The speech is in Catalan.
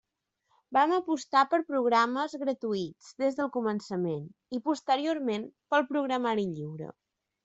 Vam apostar per programes gratuïts des del començament, i posteriorment pel programari lliure.